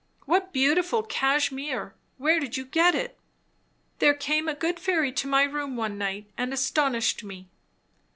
"What beautiful cashmere! Where did you get it?" "There came a good fairy to my room one night, and astonished me."